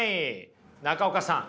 中岡さん